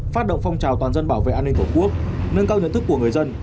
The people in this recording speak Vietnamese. phát động phong trào toàn dân bảo vệ an ninh tổ quốc nâng cao nhận thức của người dân